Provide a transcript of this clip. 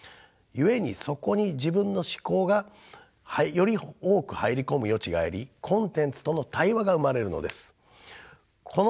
故にそこに自分の思考がより多く入り込む余地がありコンテンツとの対話が生まれるのです。